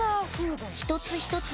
一つ一つ